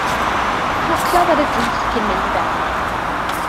Cnociodd ar y drws cyn mynd i fewn.